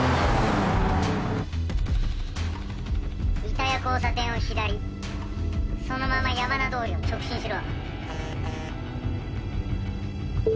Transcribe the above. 板谷交差点を左そのまま山名通りを直進しろ。